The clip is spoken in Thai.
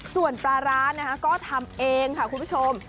ส่วนปลาร้านะคะก็ทำเองค่ะคุณผู้ชม